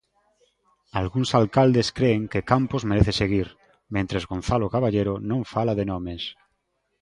Algúns alcaldes cren que Campos merece seguir, mentres Gonzalo Caballero non fala de nomes.